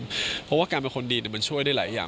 เพราะว่าการเป็นคนดีมันช่วยได้หลายอย่าง